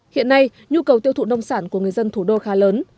hiện nay nhu cầu tiêu thụ nông sản của người dân thủ đô khá lớn